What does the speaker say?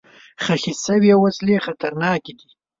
ښخ شوي وسلې خطرناکې دي.